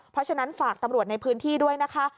เพราะฉะนั้นฝากตำรวจในพื้นที่ด้วยนะคะ